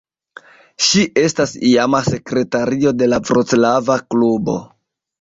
Ŝi estas iama sekretario de la Vroclava klubo.